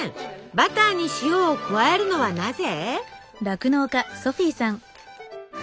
バターに塩を加えるのはなぜ？